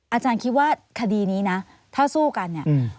อาจารย์คิดว่าคดีนี้นะถ้าสู้กันเนี่ย